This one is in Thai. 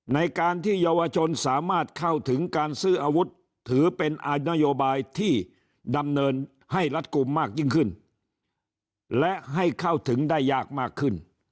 ในการที่เยาวชนสามารถเข้าถึงการซื้ออาวุธถือเป็นนโยบายที่ดำเนินให้รัดกลุ่มมากยิ่งขึ้นและให้เข้าถึงได้ยากมากขึ้น